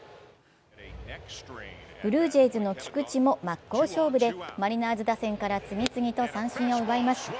ブルージェイズの菊池も真っ向勝負で、マリナーズ打線から次々と三振を奪います。